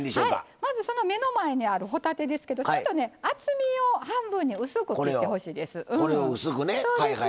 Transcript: まず、目の前にある帆立てですけどちょっと厚みを半分に薄く切ってほしいです。